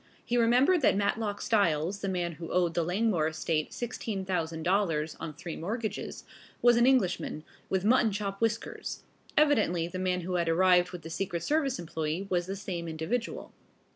He remembered that Matlock Styles, the man who owed the Langmore estate $16,000 on three mortgages, was an Englishman, with mutton chop whiskers. Evidently the man who had arrived with the secret service employee was the same individual.